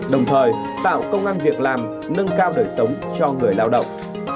đồng thời tạo công an việc làm nâng cao đời sống cho người lao động